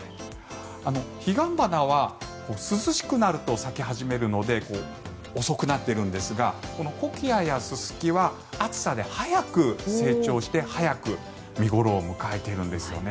ヒガンバナは涼しくなると咲き始めるので遅くなっているんですがコキアやススキは暑さで早く成長して早く見頃を迎えてるんですよね。